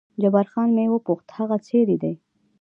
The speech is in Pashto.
جبار خان مې وپوښت هغه چېرې دی؟